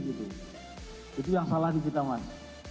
itu yang salah di kita mas